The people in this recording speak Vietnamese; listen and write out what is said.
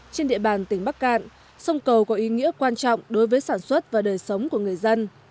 trên địa bàn tỉnh bắc cạn sông cầu có ý nghĩa quan trọng đối với sản xuất và đời sống của người dân